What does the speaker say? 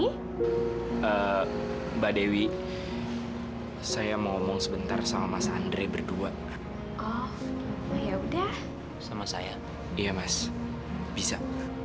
hai mbak dewi saya mau ngomong sebentar sama sandri berdua oh ya udah sama saya iya mas bisa